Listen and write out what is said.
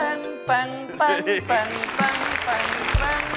อือ